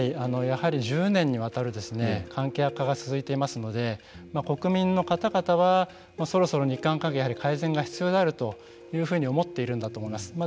やはり１０年にわたる関係悪化が続いていますので国民の方々はそろそろ日韓関係は改善が必要だというふうに思っているんだと思います。